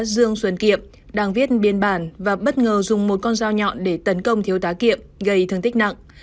dương xuân kiệm đang viết biên bản và bất ngờ dùng một con dao nhọn để tấn công thiếu tá kiệm gây thương tích nặng